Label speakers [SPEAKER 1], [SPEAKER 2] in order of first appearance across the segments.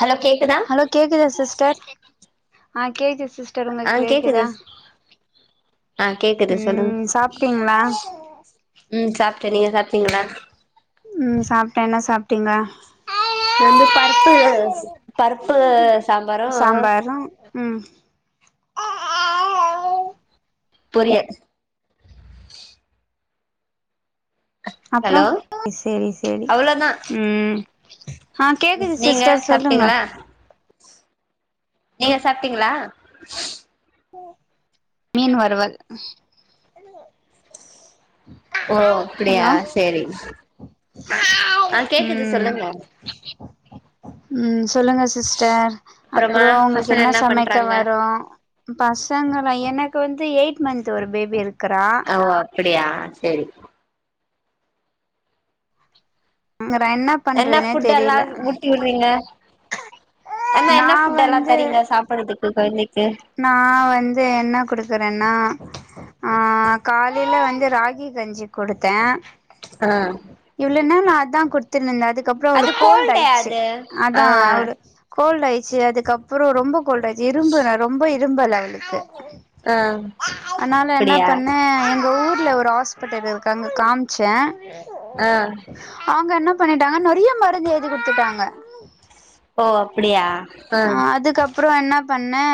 [SPEAKER 1] hello கேக்குதா
[SPEAKER 2] hello கேக்குதா sister ஆஹ் கேக்குத்
[SPEAKER 1] ஆ கேக்குது ஆஹ் கேக்குது சொல்லுங்
[SPEAKER 2] ம் சாப்ட்டீங்களா
[SPEAKER 1] உம் சா நீங்க சாப்டீங்களா
[SPEAKER 2] உம் சாப்டே என்ன சாப்ட் டிங்ளா
[SPEAKER 1] இங்க வந்து பருப்பு பருப்பு சாம்பாரு
[SPEAKER 2] சாம்பாரு உம்
[SPEAKER 1] போரியே
[SPEAKER 2] அப்ரோ
[SPEAKER 1] ஹலோ
[SPEAKER 2] சரி சரி
[SPEAKER 1] அவ்ளோதா
[SPEAKER 2] உம் ஆஹ் கேக்குது
[SPEAKER 1] நீங்க
[SPEAKER 2] சிஸ்டர் சொல்லுங்க
[SPEAKER 1] சாப்ட்டீங்களா நீங்க சாப்டிங்ளா
[SPEAKER 2] மீன் வருவல்
[SPEAKER 1] ஓ அப்டியா செரி ஆஹ் கேக்குது சொல்லுங்க
[SPEAKER 2] உம் சொல்லுங்க சிஸ்டர்
[SPEAKER 1] அப்புறமா
[SPEAKER 2] அப்ரோ உங்ளுக்கு
[SPEAKER 1] பசங்க
[SPEAKER 2] என்ன சமைக்க
[SPEAKER 1] பண்றாங்க
[SPEAKER 2] வரு பாஸ் பசங்களா எனக்கு வந்து எயிட் மந்த் ஒரு பேபி இருக் க்கரா
[SPEAKER 1] ஓ அப்டியா சேரி
[SPEAKER 2] ங்கற
[SPEAKER 1] என்ன
[SPEAKER 2] பண்றதுனே
[SPEAKER 1] ஃபுட் எல்லா
[SPEAKER 2] தெரில
[SPEAKER 1] ஊட்டி விட்றீங்க என்ன
[SPEAKER 2] நா
[SPEAKER 1] என்ன ஃபுட் எல்லா
[SPEAKER 2] வந்து
[SPEAKER 1] தரிங்க சாப்பிடறதுக்கு கொழந்தைக்
[SPEAKER 2] நா வந்து என்ன குடுக்குறேன்னா ஆஹ் காலையில வந்து ராகி கஞ்சி குடுத்த
[SPEAKER 1] ஆ
[SPEAKER 2] எவ்ளோ நாள் அதா குடுத் தின்ன நடுத் அதுக்கப்றோ
[SPEAKER 1] அது
[SPEAKER 2] அவுளுக்கு கோல்டு்
[SPEAKER 1] கோல்டே
[SPEAKER 2] ஆயிடுச்சு
[SPEAKER 1] அது ஆ
[SPEAKER 2] அதான் அவரு கோல்டு ஆயிடுச்சு அதுக்கப்புறோ ரொம்ப கோல்டு ஆயிடுச்சு இரும்பு நட திரும்பல அவளுக்கு
[SPEAKER 1] ஆ
[SPEAKER 2] அதனால என்ன
[SPEAKER 1] அப்டியா
[SPEAKER 2] பண்ணே எங்க ஊர்ல ஒரு ஹாஸ்பிட்டல் இருக்கு அங்க காமிச்ச
[SPEAKER 1] ஆ
[SPEAKER 2] அவுங்க என்ன பண்ணிட்டாங்க நெறைய மருந்து எழுதி குடுத்துட்டாங்க
[SPEAKER 1] ஓ அப்டியா ஆ
[SPEAKER 2] ஆஹ் அதுக்கப் அப்புறோ என்ன பண்ணே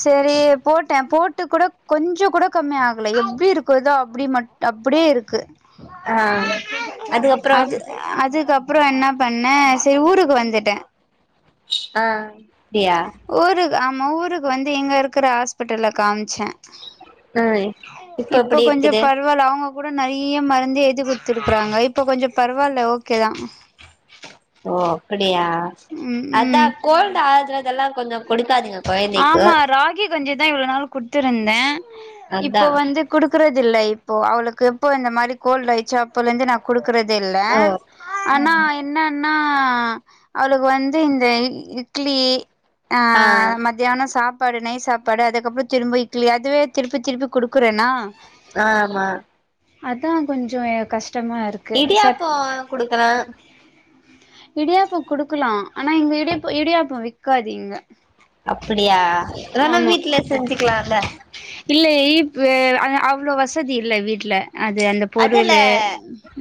[SPEAKER 2] செரி போட்டே போட் பொட்டு கூட கொஞ்ச கூட கம்மி ஆகல எப்படி இருக்குதோ அப்படி மட் அப்படியே இருக்கு
[SPEAKER 1] ஆ அதுக்கப்றோ
[SPEAKER 2] அது அதுக்கப்றோ அப்புறோ என்ன பண்ணே செரி ஊருக்கு வந்துட்டே
[SPEAKER 1] ஆஹ் அப்டியா
[SPEAKER 2] நம்ம ஊருக்கு வந்து இங்க இருக்கிற ஹாஸ்பிட்டல காமிச்ச
[SPEAKER 1] ஆ
[SPEAKER 2] இப்ப
[SPEAKER 1] எப்டி
[SPEAKER 2] கொஞ்சோ
[SPEAKER 1] இருக்குது
[SPEAKER 2] பரவாயில்ல அவுங்க கூட நெறைய மருந்து எதி குடுத்துருக்கறாங்க இப்ப கொஞ்ச பரவாயில்ல ஓகே தா
[SPEAKER 1] ஓ அப் டியா
[SPEAKER 2] ம்
[SPEAKER 1] அதா
[SPEAKER 2] ம்
[SPEAKER 1] கோல்ட அத இதெல்லா கொஞ்ச கொடுக்காதீங்க
[SPEAKER 2] ஆமா ராகி கஞ்சிதா இவ்ளோ நாள் குடுத்துருந்த
[SPEAKER 1] அதா
[SPEAKER 2] இப்போ வந்து குடுக்குறது துல்ல இப்போ அவளுக்கு எப்போ இந்த மாரி கோல்டு ஆயிடுச்சே அப்போலேந்தே நா குடுக் ருக்கறது இல்ல
[SPEAKER 1] ஓ
[SPEAKER 2] ஆனா என்ன ன்னா அவளுக்கு வந்து இந்த இ இட்லி ஆ ம சாப்பாடு நெய் சாப்பாடு அதுக்கப்பற திரும்ப இட்லி அதுவே திருப்பி திருப்பி குடுக்குறேன்னா
[SPEAKER 1] ஆமா
[SPEAKER 2] அதா கொஞ்ச எனக் கஷ்
[SPEAKER 1] இடியாப்பம் குடுக்கலா
[SPEAKER 2] இடியாப்பம் குடுக்கலா ஆனா இங்க இடிய இடியாப்பம் விக்காது இங்க
[SPEAKER 1] அப்டியா அதலா
[SPEAKER 2] ஆமா
[SPEAKER 1] வீட்டுலே செஞ்சுக்கலாம்ல
[SPEAKER 2] இல்ல இப் அ அவ்வளோ வசதி இல்ல வீட்ல அது அந்த
[SPEAKER 1] அதுல
[SPEAKER 2] பொருளு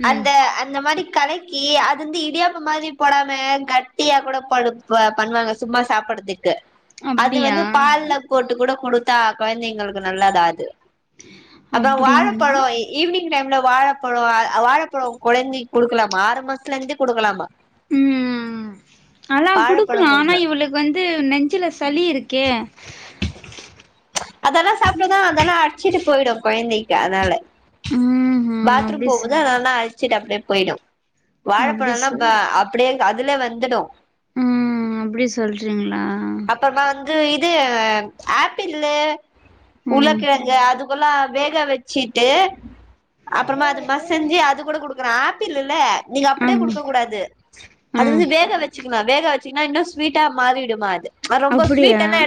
[SPEAKER 2] ம்
[SPEAKER 1] அந்த அந்த மாரி கலக்கி அது வந்து இடியாப்ப மாரி போடாம கட்டியா கூட பண் பண்ணுவாங்க சும்மா சாப்படுறதுக்கு அது
[SPEAKER 2] அப்டியா
[SPEAKER 1] வந்து பால்ல போட்டு கூட கொடுத்தா குழந்தைகளுக்கு நல்லதா அது அப்பற
[SPEAKER 2] அப்டியா
[SPEAKER 1] வாழப்பழம் ஈவினிங் டைம்ல வாழப்பழோ அ வாழப்பழம் குழந்தைக்கு குடுக்கலாமா ஆறு மாசத்துல இருந்தே குடுக்கலாமா
[SPEAKER 2] ம் அதல்லா
[SPEAKER 1] வாழப்பழோ
[SPEAKER 2] குடுக்கலாம் ஆனா
[SPEAKER 1] குடுங்க
[SPEAKER 2] இவளுக்கு வந்து நெஞ்சில சளி இருக்கு கே
[SPEAKER 1] அதெல்லா சாப்பிடுதா அதெல்லா அடிச்சிட்டு போயிடும் கொழந்தைக்கி க்கு அதனால
[SPEAKER 2] ம் ம்
[SPEAKER 1] பாத்ரூம்
[SPEAKER 2] அப்டி
[SPEAKER 1] போகுது அதனால ச்சிட்டு அப்படியே போயிடும்
[SPEAKER 2] அப்டி
[SPEAKER 1] வாழப்பழம்லா
[SPEAKER 2] சொல்
[SPEAKER 1] இப்ப அப்டியே அதுல வந்துடும்
[SPEAKER 2] ம் அப்டி சொல்றீங்களா
[SPEAKER 1] இது இது ஆப்பிள்லு
[SPEAKER 2] ம்
[SPEAKER 1] உருளக்கெழங்கு அது ல்லா வேக வச்சுட்டு அப்புறமா அதை மசஞ்சு அதை கூட கொடு ஆப்பிள் இல்ல நீங்க அப்படியே
[SPEAKER 2] ஆமா
[SPEAKER 1] குடுக்க கூடாது
[SPEAKER 2] ஆ
[SPEAKER 1] அது வந்து வேக வச்சு வேக வச்சீங்கன்னா இன்னும் ஸ்வீட்டா மாறிடுமா அது ரொம்ப
[SPEAKER 2] அப்டியா
[SPEAKER 1] ஸ்வீட் என்ன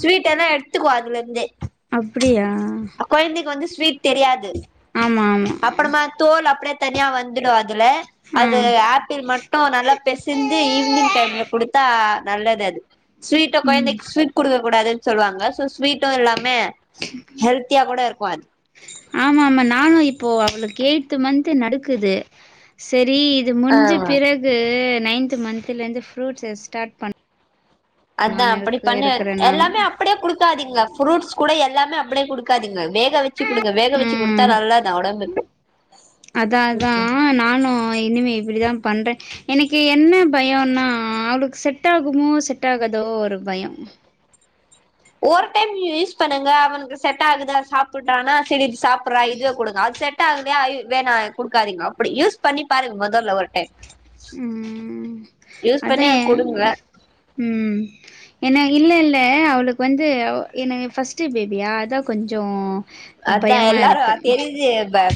[SPEAKER 1] ஸ்வீட் என்ன [unintelligible]
[SPEAKER 2] அப்படியா ஆமா ஆமா
[SPEAKER 1] அப்பறமா தோல் அப் தனியா வந்துரு அது ல அது
[SPEAKER 2] ம்
[SPEAKER 1] ஆப்பிள் மட்டும் நல்லா பெசந்து ஈவினிங் டைம்ல கொடுத்தா நல்லது அது ஸ்வீட்
[SPEAKER 2] ம்
[SPEAKER 1] குழந்தைக்கு ஸ்வீட் கொடுக்ககூடாது சொல்லுவாங்க சோ ஸ்வீட்டும் எல்லாமே ஹெல்த்தியா கூட இருக்கும் அது
[SPEAKER 2] ஆம ஆம நானும் இப்போ அவளுக்கு எய்த் மந்த்து நடக்குது சரி டி இது முடிஞ்ச
[SPEAKER 1] ஆ
[SPEAKER 2] பிறகு நைன்த் மந்த்தலருந்து ஃப்ரூட்ஸ ஸ்டார்ட் பண்ண
[SPEAKER 1] அதான்
[SPEAKER 2] நான்
[SPEAKER 1] அப்படி
[SPEAKER 2] இருக்கு
[SPEAKER 1] பண்ணு
[SPEAKER 2] இருக்கிறே நானு
[SPEAKER 1] எல்லாமே அப்படியே குடுக்காதீங்க ஃப்ரூட்ஸ் கூட எல்லாமே அப்படியே கொடுக்காதீங்க வேக வச்சு குடுங்க வேக வச்சு குடுத்தா
[SPEAKER 2] ம்
[SPEAKER 1] நல்லா தான் உடம்புக்கு
[SPEAKER 2] அதா அதா பண்றேன் எனக்கு என்ன பயம்னா அவளுக்கு செட் ஆகுமோ செட் ஆகதோ ஒரு பயம்
[SPEAKER 1] ஒரு டைம் யூஸ் பண்ணுங்க அவனுக்கு செட் ஆகுதா சாப்படுறானா சரி சாப்படுறா இதுவே கொடுங்க அது செட் ஆகலையா வேணா குடுக்காதங்க அப்படி யூஸ் பண்ணி பாருங்க முதல்ல ஒரு டைம்
[SPEAKER 2] ம்
[SPEAKER 1] யூஸ்
[SPEAKER 2] அத
[SPEAKER 1] பண்ணி அது குடுங்க
[SPEAKER 2] ம் ஏன்ன இல்ல இல் இல்லை அவளுக்கு வந்து என ஃபர்ஸ்ட்டு பேபியா அததான் கொஞ்சம்
[SPEAKER 1] அதான் எல்லாரும் தெரியுது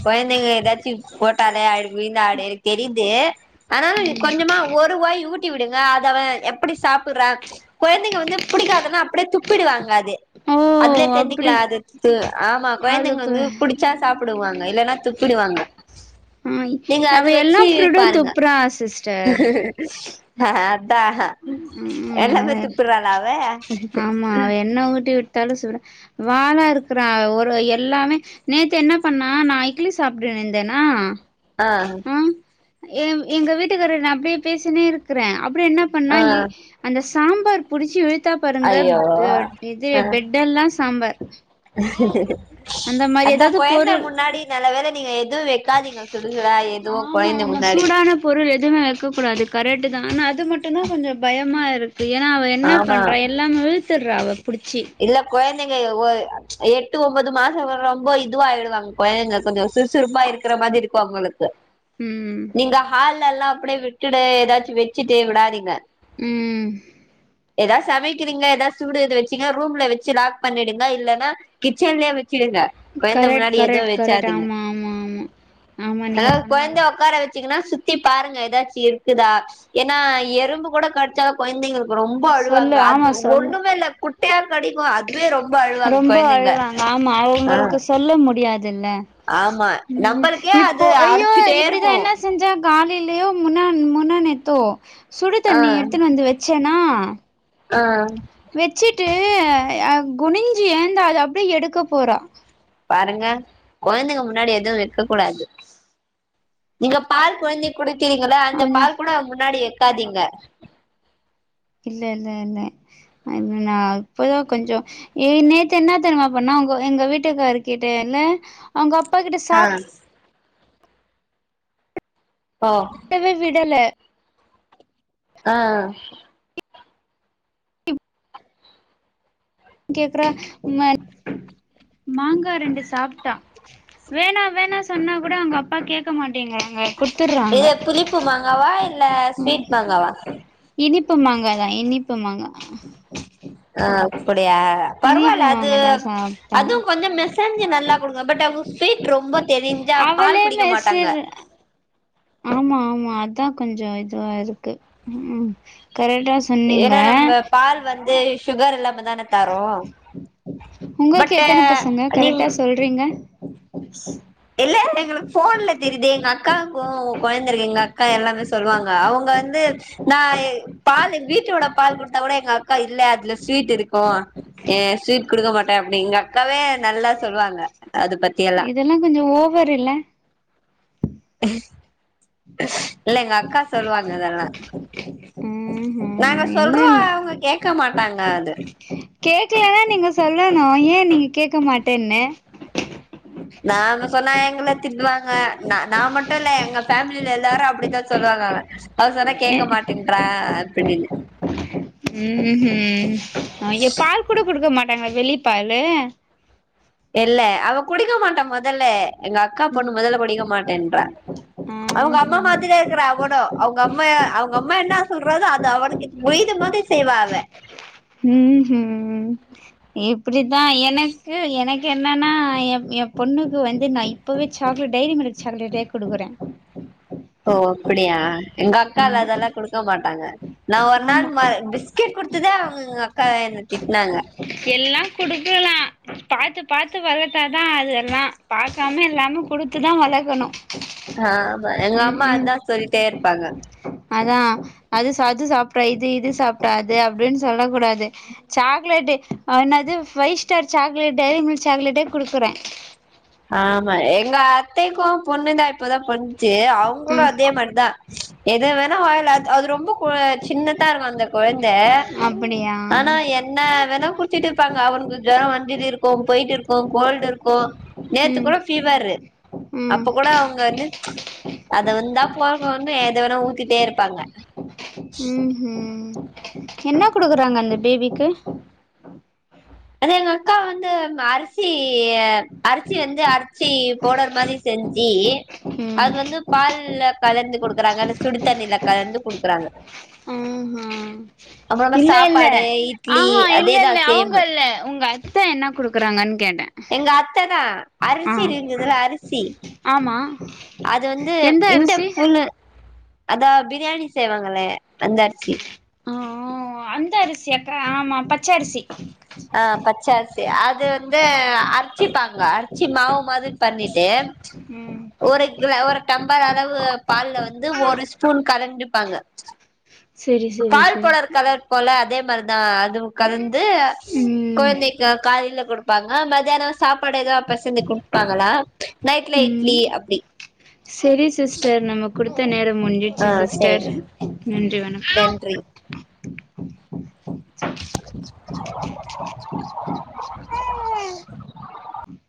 [SPEAKER 1] குழந்தைங்க ஏதாச்சும் போட்டாலே ஆ விழுநாடு தெரிது ஆனா கொஞ்சமா ஒருவாய் ஊட்டி விடுங்க அத அவன் எப்படி சாப்பிடுறான் குழந்தைங்க வந்து பிடிக்காததுன்னா அப்படியே துப்பிடுவாங்க
[SPEAKER 2] ஓ
[SPEAKER 1] அதுலே
[SPEAKER 2] அப்டி
[SPEAKER 1] தெரிச்சுக்கலா அது ஆமா குழந்தைங்க
[SPEAKER 2] அவளுக்கு
[SPEAKER 1] வந்து புடிச்சா சாப்பிடுவாங்க இல்லைன்னா துப்பிடுவாங்க
[SPEAKER 2] ம்ய்
[SPEAKER 1] நீங்க
[SPEAKER 2] அவ
[SPEAKER 1] அது
[SPEAKER 2] எல்லா
[SPEAKER 1] வச்சு
[SPEAKER 2] ஃப்ரூடுயு
[SPEAKER 1] பாருங்க
[SPEAKER 2] துப்புறா சிஸ்டர்
[SPEAKER 1] தாஹ
[SPEAKER 2] ம்
[SPEAKER 1] எல்லாமே
[SPEAKER 2] அவ
[SPEAKER 1] துப்பிர்றாளா அவ
[SPEAKER 2] ஆமா அவ என்ன ஊட்டி விட்டாலு சுட வாலா இருக்கறா ஒரு எல்லாமே நேத்து என்ன பண்ணா நா இட்லி சாப்பிடுனுந்தேனா
[SPEAKER 1] அ
[SPEAKER 2] எவ் எங்க வீட்டுக்கார ந அப்டியே பேசினே இருக்கறே அப்டே என்ன பண்ணா
[SPEAKER 1] ஆ
[SPEAKER 2] இ அந்த ஸ் சாம்பார் புடிச்சி வெ த்தா பாருங்க
[SPEAKER 1] ஐயோ ஆ
[SPEAKER 2] ப் இது பெட் எல்லா ஸ் சாம்பார் அந்த மாரி
[SPEAKER 1] அத்தா
[SPEAKER 2] ஏதாவது
[SPEAKER 1] கொழந்த
[SPEAKER 2] பொருள்
[SPEAKER 1] முன்னாடி நல்ல வேல நீங்க எது வெ
[SPEAKER 2] ஆமா ஆமா
[SPEAKER 1] முன்னாடி
[SPEAKER 2] சூடான பொருள் எதுமே வெக்கக் கூடாது கரெட் தா ஆனா அது மட்டுந்தா கொஞ்சோ பயம் ம்மா இரு ஏனா அவ என்ன
[SPEAKER 1] ஆமா
[SPEAKER 2] பண்றா எல்லா மாவுயு த்திர்ரா அவ புடிச்சி
[SPEAKER 1] இல்ல கொயந் திங்க இய ஒ பச் எட்டு ஒம்போது மாசோ வ ரொம்போ இதுவாயிடுவாங்க கொயங்க கொஞ்சோ சுறுசுறுப்பா இருக்கற மாதி இருக்கூ அவுங்களு த
[SPEAKER 2] ம்
[SPEAKER 1] நீங்க ஹால்லல்லா அப்பிடே விட்டுடு எதாச்சு வெச்சுட்டு விடாதீங்க
[SPEAKER 2] உம்
[SPEAKER 1] ஏதா சமைக்கிறீங்க ஏதா சுடு இத வெச் சிங்க ரூம்ல வெச்சு லாக் பண்ணிடுங்க இல்லனா கிச்சன்லே வெ சிருங்க கொயந்த
[SPEAKER 2] கரெக்ட்
[SPEAKER 1] முன்னாடி எதுவு
[SPEAKER 2] கரெக்ட் கரெக்ட்
[SPEAKER 1] வெச்சாதிங்க
[SPEAKER 2] ஆமா ஆமா ஆமா ஆமா நீங்க
[SPEAKER 1] எதாவ்
[SPEAKER 2] சொன்னது
[SPEAKER 1] கொயந்த ஒக்கார வெ திங்னா சுத்தி பாருங்க எதாச்சு இருக்குதா ஏன்னா எறும்பு கூட கடிச்சாலு கொழந்தைங்களுக் ரொம்போ
[SPEAKER 2] சொல்லு
[SPEAKER 1] அழுவாங்க அது
[SPEAKER 2] ஆமா சொல்லு
[SPEAKER 1] ஒண்ணுமே இல்ல குட்
[SPEAKER 2] ரொம்ப
[SPEAKER 1] கொழந்தைங்க
[SPEAKER 2] அழுவாங்க ஆமா
[SPEAKER 1] ஆ
[SPEAKER 2] அவுங்களுக்கு சொல்ல முடியா தில்ல
[SPEAKER 1] ஆமா நம்பளுக்கே
[SPEAKER 2] இப்போ
[SPEAKER 1] அது
[SPEAKER 2] ஐயோ
[SPEAKER 1] அரிச்சுட்டே
[SPEAKER 2] இப்டிதா
[SPEAKER 1] இருக்கு
[SPEAKER 2] என்ன செஞ்செ கா திலயோ முன்னான் முன்னாநேத்தோ சுடு
[SPEAKER 1] ஆ
[SPEAKER 2] தண்ணி எடுத்துன் வந்து வெச் ச்சனா
[SPEAKER 1] ஆ
[SPEAKER 2] வெச்சிட்டு அ குனிஞ்சி ஏந்து அத அப்டே எடுக்க போறா
[SPEAKER 1] பாருங்க கொழந்தைங்க முன்னாடி எது வெக்க கூடாது நீங்க பால் கொழந்தை குடுக்குறீங்கள அந்த
[SPEAKER 2] கொஞ்சோ
[SPEAKER 1] பால் கூட முன்னாடி‌ வெ க்காதீங்க
[SPEAKER 2] இல்ல இல்ல இல்ல நா இப்ப தா கொஞ்சோம் ஏ நேத்து என்ன தெரிமா பன்னா அவுங்க எங்க வீட்டுக்காருக்கிட்ட இல்ல அவுங்க அப் ப்பா கிட்ட
[SPEAKER 1] ஆ
[SPEAKER 2] சாப்ட்
[SPEAKER 1] ஓ
[SPEAKER 2] டவே விடல
[SPEAKER 1] ஆஹ்
[SPEAKER 2] கேக்குறா ம மாங்கா ரெண்டு சாப்ட்டா வேணா வேணான்னு சொன்னா கூட அவுங்க அப்பா கேக்க மாடேங்கிறாங்க
[SPEAKER 1] எது புளிப்பு மாங்காவா இல்ல
[SPEAKER 2] ம்
[SPEAKER 1] ஸ்வீட் மாங்காவா
[SPEAKER 2] இனிப்பு மாங்காதான் இனிப்பு மாங்கா
[SPEAKER 1] அப்டி யா
[SPEAKER 2] இனிப்பு
[SPEAKER 1] பரவால்ல அது
[SPEAKER 2] மாங்காதா சாப்ட்டா
[SPEAKER 1] அதும் கொஞ்சோம் மெசெஞ்சு நல்லா கொடுங்க பட் அவளுக்கு ஸ்வீட் ரொம்ப தெரிஞ்சா
[SPEAKER 2] அவளே
[SPEAKER 1] பால் குடிக்க மாட்டாங்க
[SPEAKER 2] மெசுர் ஆமா ஆமா அதான் கொஞ்சம் இதவா இருக்கு உம் கரெக்டா சொன்னீங்க
[SPEAKER 1] ஏன்னா நம்ம பால் வந்து சுகர் எல்லாம்
[SPEAKER 2] உங்களுக்கு
[SPEAKER 1] பட்டு
[SPEAKER 2] எத்தனை பசங்க
[SPEAKER 1] நீங்க
[SPEAKER 2] கரெக்டா சொல்றீங்க
[SPEAKER 1] அக்காக்கும் உங்க கொழந்தருக்கு எங்க அக்கா எல்லாமே சொல்லுவாங்க அவங்க வந்து நான் பால் வீட்டோட பால் கொடுத்தா கூட எங்க அக்கா இல்ல அதுல ஸ்வீட் இருக்கும் ஸ்வீட் கொடுக்க மாட்டேன் அப்படினு எங்க அக்காவே நல்லா சொல்லுவாங்க அது பத்தி எல்லா
[SPEAKER 2] இதெல்லாம் கொஞ்சம் ஓ வருல
[SPEAKER 1] [inaudible] இல்ல எங்க அக்கா சொல்லுவாங்க அதெல்லாம்
[SPEAKER 2] ம்
[SPEAKER 1] நாங்க
[SPEAKER 2] ம் இல்ல
[SPEAKER 1] சொல்றோம்
[SPEAKER 2] இல்ல
[SPEAKER 1] அவுங்க கேட்க மாட்டாங்க அது
[SPEAKER 2] கேக்கலானா நீங்க சொல்லணும் ஏன் நீங்க கேட்க மாட்டேன்னு
[SPEAKER 1] நாங்க சொனா எங்க திட்டுவாங்க நா நா மட்டும் இல்ல எங்க ஃபேமி ல எல்லாரும் அப்படிதான் சொல்றங்கானங்க அவ சொன்ன
[SPEAKER 2] ஏ
[SPEAKER 1] கேட்க மாட்டேங்கறா அப்டினு
[SPEAKER 2] உம் உம் இங்க பால் கூட கொடுக்க மாட்டேன் ங்க வெளி பால்லு
[SPEAKER 1] இல்ல அவ குடிக்க மாட்டான் மொதல்ல எங்க அக்கா
[SPEAKER 2] ம்
[SPEAKER 1] பொண்ணு மொதல்ல குடிக்க மாட்டேன்ற அவங்க
[SPEAKER 2] ஆஹ
[SPEAKER 1] அம்மா மாதிரியே இருக்கற அவடும் அவுங்க அம்மா அவங்க அம்மா என்ன சொ ல்றாலோ அது அவ புரியுத மாதிரி செய்வா
[SPEAKER 2] உம் ஹும் இப்டித்தான் எனக்கு எனக் க்கு என்னன்னா என் என் பொண்ணுக்கு வந்து நான் இப்பவே சாக்லேட் டைரி மில்க் சாக்லேட்டே கொடுக்குறேன்
[SPEAKER 1] ஓ அப்படியா எங்க அக்கால
[SPEAKER 2] ஆமா
[SPEAKER 1] அதெல்லாம் குடுக்க மாட்டாங்க ஒரு நாள்
[SPEAKER 2] ஆமா
[SPEAKER 1] ம பிஸ்கெட் குடுத்ததே அவங்கங்க அக்கா என்ன திட்டுனாங்க
[SPEAKER 2] எல்லா குடுக்கலா பாத்து பாத்து வளத்தாதான் அது எல்லாம் பாக்காம எல்லாமே குடுத்துதான் வளக்கணும்
[SPEAKER 1] ஆ ஆமா எங்க அம்மா அதான் சொல்லிட்டே இருப்பாங்க
[SPEAKER 2] அதான் அது சாத்து சாப் அப்பறம் இது இது சாப்பிடாது அப்படின்னு சொல்லக்கூடாது சாக்லேடு அவனாவது Five Star chocolate Dairy Milk சாக்லேட்டே குடுக்குறேன்
[SPEAKER 1] ஆமா எங்க அத்தைக்கும் பொண்ணு தான் இப்பதான் பண்ணுச்சு அவங்களும்
[SPEAKER 2] ம்
[SPEAKER 1] அதே மாதிரிதான் எது வேணா வில் அ அது ரொம்ப சின்னதா இருக்கும் அந்த கொழந்தை
[SPEAKER 2] அப்டியா
[SPEAKER 1] ஆனா என்ன வேன குடிச்சட்டு இருப்பாங்க அவனுக்கு ஜோரம் வண்டிட்டு இருக்கோம் போயிட்டு இருக்கோம் கோல்டு இருக்கும் நேத்து
[SPEAKER 2] ம்
[SPEAKER 1] கூட ஃபீவர்
[SPEAKER 2] ம்
[SPEAKER 1] அப்போ கூட அவங்க வந்து அது வந்தா போற வந்து ஏத வேண ஊத்திட்டே இருப்பாங்க
[SPEAKER 2] உம் ஹும் என்ன குடுக்குறாங்க அந்த பேபிக்கு
[SPEAKER 1] அது எங்க அக்கா வந்து அரிசி அரிசி வந்து அரிச்சி போடற மாதிரி செஞ்சு
[SPEAKER 2] ம்
[SPEAKER 1] அது வந்து பால்ல கலந்து குடுக்குறாங்க அந்த சுடி தண்ணியில கலந்து குடுக்குறாங்க
[SPEAKER 2] உம்ஹ
[SPEAKER 1] அப்புறமா
[SPEAKER 2] இல்ல இல்ல
[SPEAKER 1] சாப்பாடு இட்லி
[SPEAKER 2] ஆஹஹா இல்ல
[SPEAKER 1] அதேதா
[SPEAKER 2] இல்ல
[SPEAKER 1] சேம்
[SPEAKER 2] அவங்கல்ல உங்க அத்த என்ன குடுக்குறாங்கன்னு கேட்டே
[SPEAKER 1] எங்க அத்ததான்
[SPEAKER 2] ஆ
[SPEAKER 1] அரிசி இருக்குதுல அரிசி
[SPEAKER 2] ஆமா
[SPEAKER 1] அது வந்து
[SPEAKER 2] எந்த
[SPEAKER 1] இந்த
[SPEAKER 2] அரிசி
[SPEAKER 1] புண்ணு அதா பிரியாணி செய்வாங்களே அந்த அரிசி
[SPEAKER 2] ஆஹ் அந்த அரிசியாக்கா ஆமா பச்ச அரிசி
[SPEAKER 1] ஆஹ் பச்சரிசி அது வந்து அரிச்சிப்பாங்க அரிச்சி மாவு மாவு பண்ணிட்டு
[SPEAKER 2] ம்
[SPEAKER 1] ஒரு க ஒரு டம்ளர் அளவு பால்ல வந்து ஒரு ஸ்பூன் கலஞ்சு பாங்க
[SPEAKER 2] செரி செரி
[SPEAKER 1] பால்
[SPEAKER 2] செரி
[SPEAKER 1] போட இருக்கத போல அதே வருதான் அது கலந்து
[SPEAKER 2] ம்
[SPEAKER 1] கொழந்தைக்கு காலில கொடுப் ப்பாங்கா மதியானம் சாப்பாடு ஏதோ பசந்து குடுப்பாங்களா நைட்ல
[SPEAKER 2] ம்
[SPEAKER 1] இட்லி அப்டி
[SPEAKER 2] செரி சிஸ்டர் நம்மக்குடு தநேரோ
[SPEAKER 1] ஆ
[SPEAKER 2] முடிஞ்சிட்ச்சு சிஸ்டர்
[SPEAKER 1] சரிங்க
[SPEAKER 2] நன்றி வ
[SPEAKER 1] நன்றி
[SPEAKER 2] [inaudible]
[SPEAKER 1] [unintelligible]